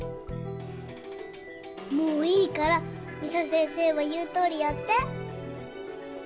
もういいから美沙先生は言うとおりやって？